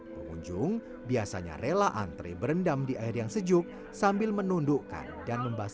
ke tentang permen destina selalu memberikan maklumat terhadap pengguna india dan umb lequel